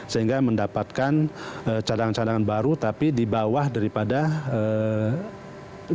sehingga mendapatkan cadangan cadangan baru tapi di bawah daripada investasi